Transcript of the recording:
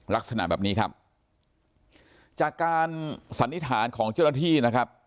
ลักษณะแบบนี้ครับจากการสันนิษฐานของเจ้าหน้าที่นะครับ